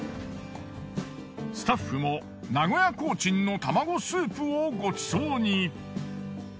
スタッフも名古屋コーチンの玉子スープをごちそうに。